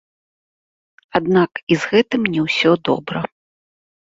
Аднак і з гэтым не ўсё добра.